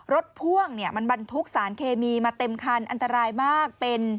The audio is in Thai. รถพ่วงมันบรรทุกสารเคมีมาเต็มคันอันตรายมาก